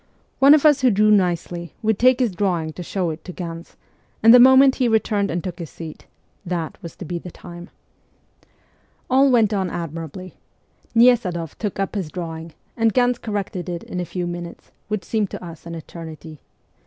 One of us who drew nicely, would take his drawing to show it to Ganz, and the moment he returned and took his seat that was to be the time ! 108 MEMOIRS OF A REVOLUTIONIST All went on admirably. Nesadoff took up his draw ing, and Ganz corrected it in a few minutes, which seemed to us an eternity.